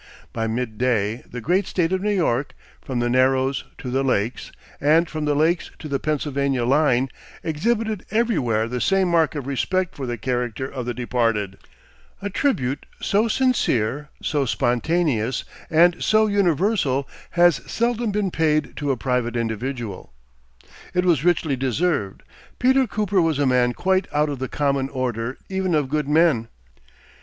By mid day the great State of New York, from the Narrows to the lakes, and from the lakes to the Pennsylvania line, exhibited everywhere the same mark of respect for the character of the departed. A tribute so sincere, so spontaneous and so universal, has seldom been paid to a private individual. It was richly deserved. Peter Cooper was a man quite out of the common order even of good men.